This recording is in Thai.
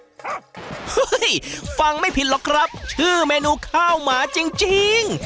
เฮ้ยฟังไม่ผิดหรอกครับชื่อเมนูข้าวหมาจริง